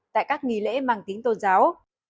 tại các nghỉ lễ mang tính tôn giáo